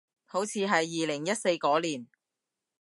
好似係二零一四嗰年